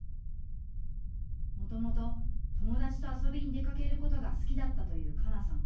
もともと友達と遊びに出かけることが好きだったというかなさん。